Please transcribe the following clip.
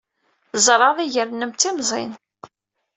Tzerɛeḍ iger-nnem d timẓin.